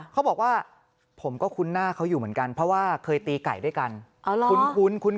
เขาบอกว่าผมก็คุ้นหน้าเขาอยู่เหมือนกันเพราะว่าเคยตีไก่ด้วยกัน